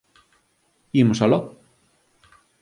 Imos aló!